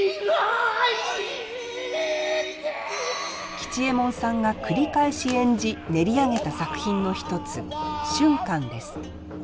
吉右衛門さんが繰り返し演じ練り上げた作品の一つ「俊寛」です。